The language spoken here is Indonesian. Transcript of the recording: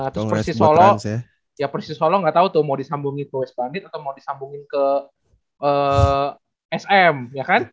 terus persis solo ya persis solo nggak tahu tuh mau disambungi ke west bandit atau mau disambungin ke sm ya kan